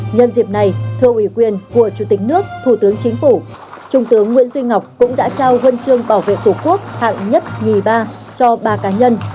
nhân dịp này thưa ủy quyền của chủ tịch nước thủ tướng chính phủ trung tướng nguyễn duy ngọc cũng đã trao vân chương bảo vệ tổ quốc hạng nhất nhì ba cho ba cá nhân